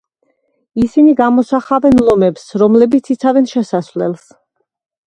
ისინი გამოსახავენ ლომებს, რომლებიც იცავენ შესასვლელს.